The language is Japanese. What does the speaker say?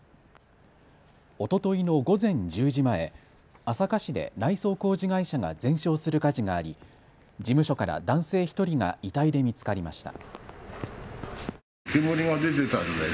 おとといの午前１０時前、朝霞市で内装工事会社が全焼する火事があり事務所から男性１人が遺体で見つかりました。